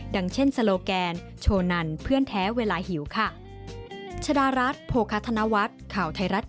ดังเช่นโชว์นันเพื่อนแท้เวลาหิวค่ะ